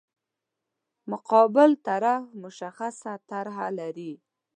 مقابل طرف مشخصه طرح لري.